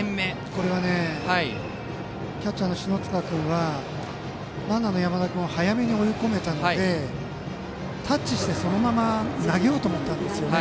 これはキャッチャーの篠塚君はランナーの山田君を早めに追い込めたのでタッチして、そのまま投げようと思ったんですよね。